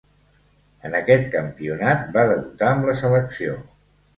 En aquest campionat va debutar amb la selecció.